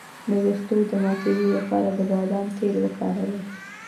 د ویښتو د ماتیدو لپاره د بادام تېل وکاروئ